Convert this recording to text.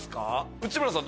内村さん